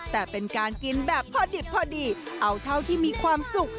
แต่เป็นการกินแบบพอดิบพอดีเอาเท่าที่มีความสุข